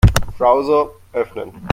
Browser öffnen.